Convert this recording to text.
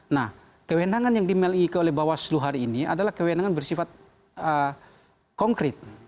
nah kewenangan yang dimiliki oleh bawaslu hari ini adalah kewenangan bersifat konkret